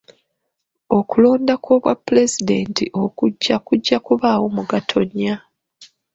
Okulonda kw'obwa pulezidenti okujja kujja kubaawo mu Gatonnya